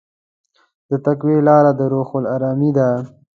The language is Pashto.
د تقوی لاره د روح ارامي ده.